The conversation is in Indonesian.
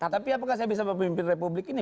tapi apakah saya bisa memimpin republik ini